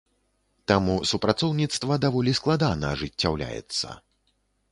Таму супрацоўніцтва даволі складана ажыццяўляецца.